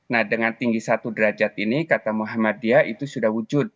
nah dengan tinggi satu derajat ini kata muhammadiyah itu sudah wujud